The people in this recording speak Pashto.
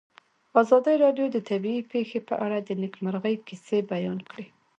ازادي راډیو د طبیعي پېښې په اړه د نېکمرغۍ کیسې بیان کړې.